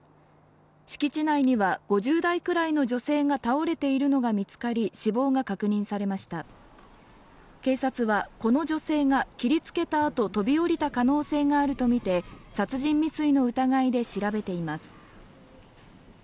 敷地内には５０代くらいの女性が倒れているのが見つかり死亡が確認されました警察はこの女性が切りつけたあと飛び降りた可能性があるとみて殺人未遂の疑いで調べています